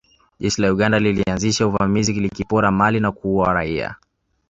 Jeshi la Uganda lilianzisha uvamizi likipora mali na kuua raia